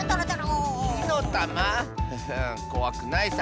ふふんこわくないさ。